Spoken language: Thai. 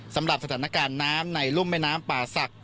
สำหรับสถานการณ์น้ำในรุ่มแม่น้ำป่าศักดิ